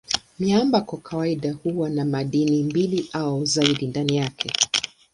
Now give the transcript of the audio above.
Miamba kwa kawaida huwa na madini mbili au zaidi ndani yake.